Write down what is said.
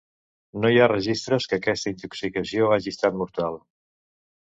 No hi ha registres que aquesta intoxicació hagi estat mortal.